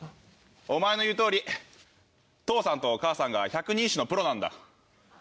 お前の言うとおり父さんと母さんが百人一首のプロなんだ。